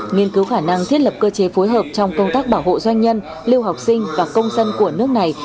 nghiên cứu khả năng thiết lập cơ chế phối hợp trong công tác bảo hộ doanh nhân lưu học sinh và công dân của nước này